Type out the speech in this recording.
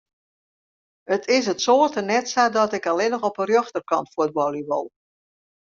It is út soarte net sa dat ik allinne op de rjochterkant fuotbalje wol.